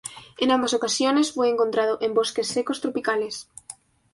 En ambas ocasiones fue encontrado en bosques secos tropicales.